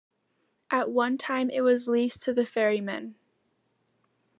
At one time it was leased to the ferrymen.